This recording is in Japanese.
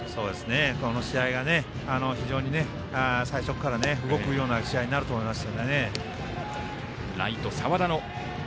この試合が非常に最初から動くような試合になると２番、平見歩舞です。